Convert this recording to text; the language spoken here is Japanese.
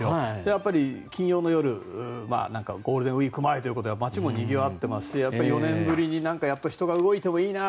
やっぱり金曜の夜ゴールデンウィーク前ということで街もにぎわってますし４年ぶりに人が動いてもいいな